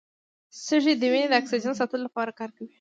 سږي د وینې د اکسیجن ساتلو لپاره کار کوي.